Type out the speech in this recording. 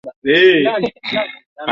Bidhaa wakiwamo watumwa walitolewa bara